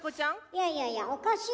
いやいやいやおかしいわよ。